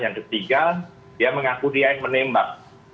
yang ketiga dia mengaku dia yang menembak